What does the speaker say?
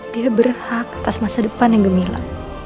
dia berhak atas masa depan yang gemilang